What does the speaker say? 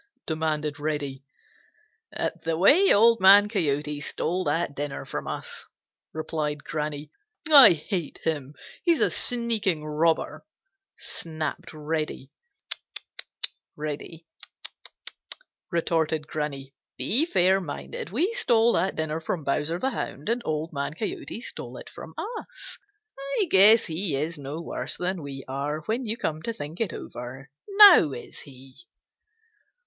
demanded Reddy. "At the way Old Man Coyote stole that dinner from us," replied Granny. "I hate him! He's a sneaking robber!" snapped Reddy. "Tut, tut, Reddy! Tut, tut!" retorted Granny. "Be fair minded. We stole that dinner from Bowser the Hound, and Old Man Coyote stole it from us. I guess he is no worse than we are, when you come to think it over. Now is he?"